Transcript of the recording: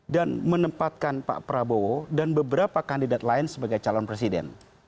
menempatkan pak prabowo dan beberapa kandidat lain sebagai calon presiden